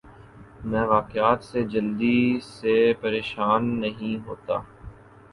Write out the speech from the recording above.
میں واقعات سے جلدی سے پریشان نہیں ہوتا